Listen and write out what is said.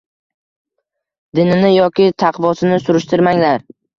Dinini yoki taqvosini surishtirmaganlar.